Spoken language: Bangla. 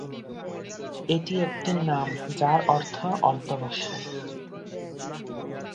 এটি একটি নাম যার অর্থ অধ্যবসায়।